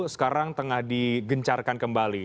sekarang tengah digencarkan kembali